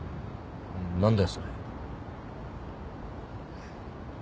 何だよそれ。